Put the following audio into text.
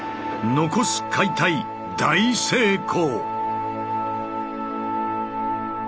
残す解体大成功。